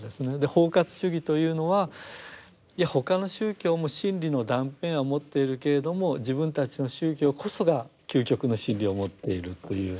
包括主義というのはいや他の宗教も真理の断片は持っているけれども自分たちの宗教こそが究極の真理を持っているという。